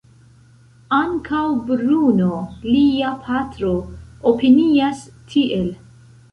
Ankaŭ Bruno, lia patro, opinias tiel.